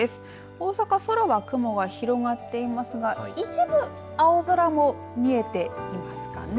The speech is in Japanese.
大阪、空は雲が広がっていますが一部青空も見えていますかね。